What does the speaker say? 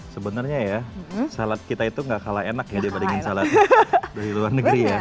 sebenarnya ya salad kita itu gak kalah enak ya dibandingin salad dari luar negeri ya